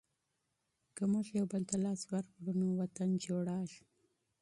که موږ یو بل ته لاس ورکړو نو وطن جوړیږي.